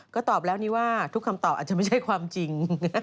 ก็ตอบแล้วนี่ว่าทุกคำตอบอาจจะไม่ใช่ความจริง